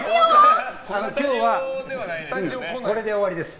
今日はこれで終わりです。